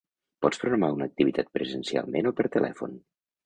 Pots programar una activitat presencialment o per telèfon.